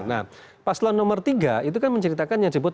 nah paslon nomor tiga itu kan menceritakan yang disebut